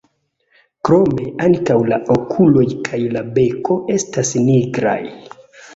Krome ankaŭ la okuloj kaj la beko estas nigraj.